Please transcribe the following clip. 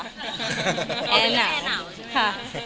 อ๋อนี่แอร์หนาวใช่ไหมค่ะ